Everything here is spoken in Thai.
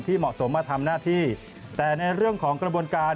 เหมาะสมมาทำหน้าที่แต่ในเรื่องของกระบวนการ